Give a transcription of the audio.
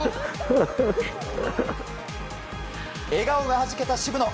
笑顔がはじけた、渋野。